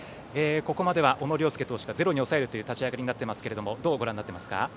ここまでは小野涼介投手がゼロに抑えるという立ち上がりになっていますけれどどうご覧になっていますか？